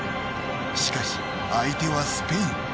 しかし相手はスペイン。